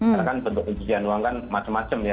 karena kan pencucian uang kan macam macam ya